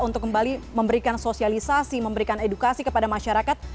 untuk kembali memberikan sosialisasi memberikan edukasi kepada masyarakat